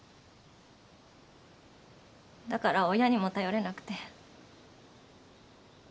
だから親にも頼れなくて。